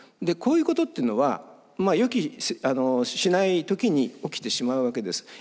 でこういうことっていうのは予期しない時に起きてしまうわけです。